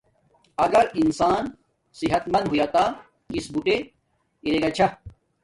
اگر انسان صحت مند ہویا تا کس بوٹے ارا گا چھا